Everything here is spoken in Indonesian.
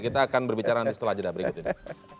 kita akan berbicara setelah jeda berikutnya